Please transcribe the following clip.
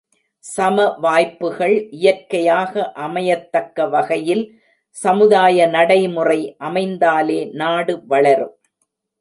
சம வாய்ப்புகள் இயற்கையாக அமையத்தக்க வகையில் சமுதாய நடைமுறை அமைந்தாலே நாடு வளரும்.